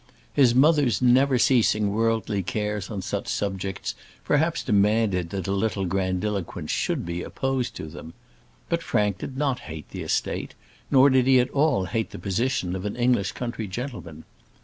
His mother's never ceasing worldly cares on such subjects perhaps demanded that a little grandiloquence should be opposed to them. But Frank did not hate the estate; nor did he at all hate the position of an English country gentleman.